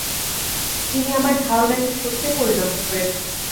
যিনি আমার ধারণাকে সত্যে পরিণত করেছেন।